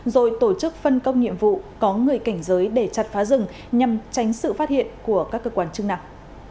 rồi tổ chức phân công nhiệm vụ có người cảnh giới để chặt phá rừng nhằm tránh sự phát hiện của các cơ quan chức năng